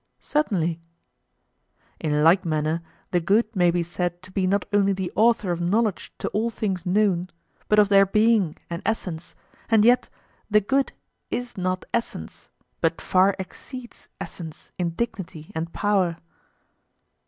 Certainly. In like manner the good may be said to be not only the author of knowledge to all things known, but of their being and essence, and yet the good is not essence, but far exceeds essence in dignity and power.